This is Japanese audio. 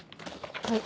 はい。